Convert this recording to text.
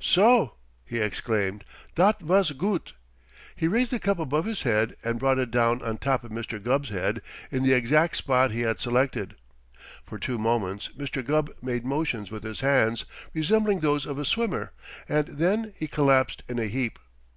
"So!" he exclaimed: "Dot vos goot!" He raised the cup above his head and brought it down on top of Mr. Gubb's head in the exact spot he had selected. For two moments Mr. Gubb made motions with his hands resembling those of a swimmer, and then he collapsed in a heap.